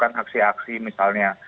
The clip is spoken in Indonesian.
karena itu sudah terjadi aksi aksi misalnya